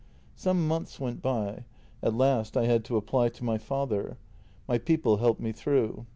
Some months went by — at last I had to apply to my father. My people helped me through.